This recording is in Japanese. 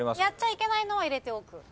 やっちゃいけないのは「入れておく」